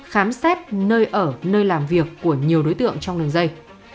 khám xét nơi ở nơi làm việc của nhiều đối tượng trong đường dây